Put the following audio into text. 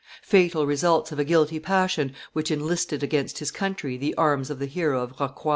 Fatal results of a guilty passion which enlisted against his country the arms of the hero of Rocroi!